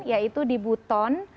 yaitu di buton